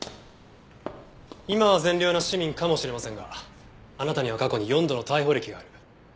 今は善良な市民かもしれませんがあなたには過去に４度の逮捕歴がある。